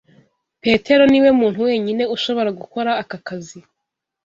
Petero niwe muntu wenyine ushobora gukora aka kazi.